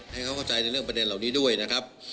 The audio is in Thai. ให้เขากะใจเรื่องปัดเด่นเหล่านี้ด้วยนะครับ